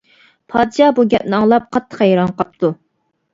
پادىشاھ بۇ گەپنى ئاڭلاپ قاتتىق ھەيران قاپتۇ.